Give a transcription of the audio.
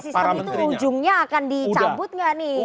oke early warning system itu ujungnya akan dicabut gak nih